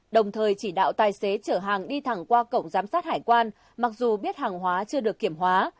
đồng thời chỉ đạo tài xế chở hàng đi thẳng qua cổng giám sát hải quan mặc dù biết hàng hóa chưa được kiểm hóa